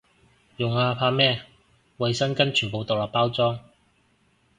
用啊，怕咩，衛生巾全部獨立包裝